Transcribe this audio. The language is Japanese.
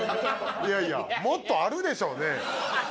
いやいやもっとあるでしょうねえ。